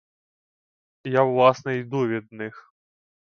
Я власне йду від них.